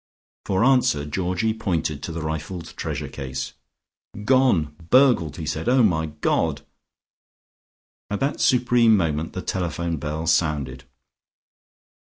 For answer Georgie pointed to the rifled treasure case. "Gone! Burgled!" he said. "Oh, my God!" At that supreme moment the telephone bell sounded.